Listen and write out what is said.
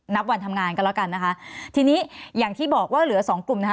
นับวันทำงานกันแล้วกันนะคะทีนี้อย่างที่บอกว่าเหลือสองกลุ่มนะคะ